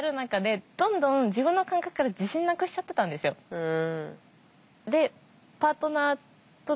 うん。